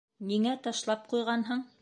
Ниңә ташлап ҡуйғанһың?